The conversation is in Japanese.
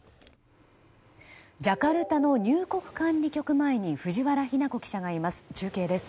ジャカルタの入国管理局前に藤原妃奈子記者がいます。